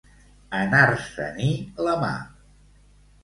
Anar-se-n'hi la mà.